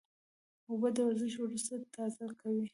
اوبه د ورزش وروسته تازه کوي